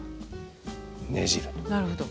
なるほど。